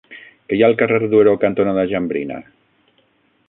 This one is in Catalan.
Què hi ha al carrer Duero cantonada Jambrina?